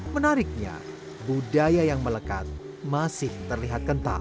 menariknya budaya yang melekat masih terlihat kental